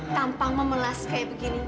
tampang memelas kayak begini